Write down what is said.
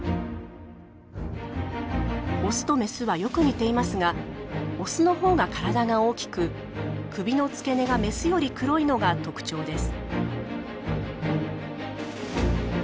オスとメスはよく似ていますがオスのほうが体が大きく首の付け根がメスより黒いのが特徴です。